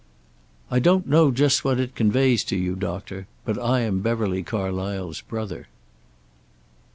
"I don't know just what it conveys to you, Doctor, but I am Beverly Carlysle's brother."